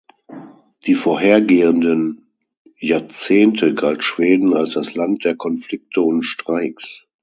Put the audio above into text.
Die vorhergehenden Jahrzehnte galt Schweden als das Land der Konflikte und Streiks.